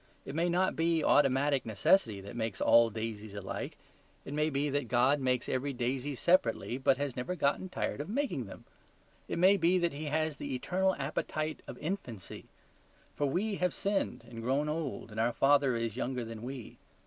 It may not be automatic necessity that makes all daisies alike; it may be that God makes every daisy separately, but has never got tired of making them. It may be that He has the eternal appetite of infancy; for we have sinned and grown old, and our Father is younger than we.